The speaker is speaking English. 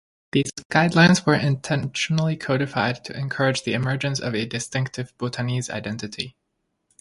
These guidelines were intentionally codified to encourage the emergence of a distinctive Bhutanese identity.